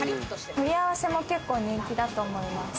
盛り合わせも結構人気だと思います。